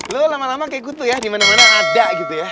lo lama lama kayak gitu ya dimana mana ada gitu ya